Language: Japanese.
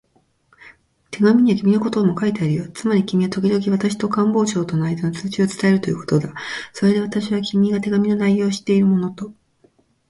手紙には君のことも書いてあるよ。つまり君はときどき私と官房長とのあいだの通知を伝えるということだ。それで私は、君が手紙の内容を知っているものと